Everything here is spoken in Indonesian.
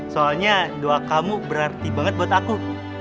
soalnya doa kamu berarti banget buat aku